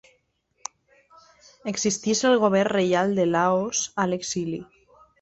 Existeix el Govern Reial de Laos a l'Exili.